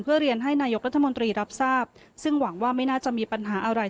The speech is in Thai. เพื่อเรียนให้นายกรัฐมนตรีรับทราบซึ่งหวังว่าไม่น่าจะมีปัญหาอะไร